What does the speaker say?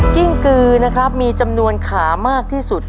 กิ้งกือนะครับมีจำนวนขามากที่สุด